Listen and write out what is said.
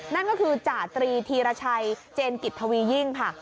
นั่นก็คือจาตรีธีรชัยเจนกิจทวียิ่งค่ะ